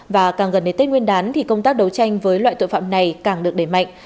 và càng gần đến tết nguyên đán thì công tác đấu tranh với loại tội phạm này càng được đẩy mạnh